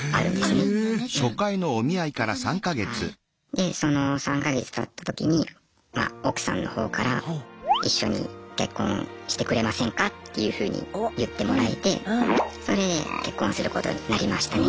でその３か月たった時にま奥さんの方からっていうふうに言ってもらえてそれで結婚することになりましたね。